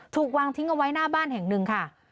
ถูกวางทิ้งเอาไว้หน้าบ้านแห่งหนึ่งค่ะ